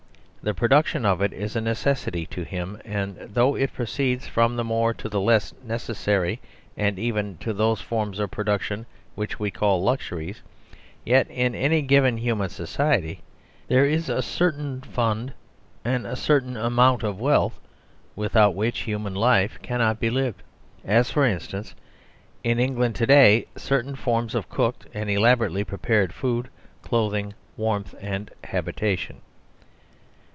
The produc tion of it is a necessity to him, and though it proceeds from the more to the less necessary, and even to those forms of production which we call luxuries, yet in any given human society there is a certain fo'ndand a certain amount of wealth without which human life cannot be lived : as, for instance, in England to day, certain forms of cooked and elaborately prepared food, clothing, warmth, and habitation.